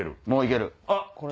もう行ける。